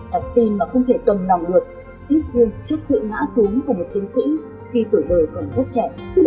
đặc tiên mà không thể tầm nào được ít gương trước sự ngã xuống của một chiến sĩ khi tuổi đời cần rất trẻ